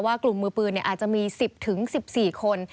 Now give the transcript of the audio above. กลุ่มมือปืนอาจจะมี๑๐๑๔คน